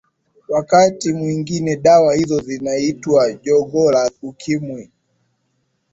wakati mwingine dawa hizo zinaitwa jogoo la ukimwi